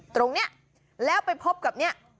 ตรงนี้แล้วไปพบกับเนี่ย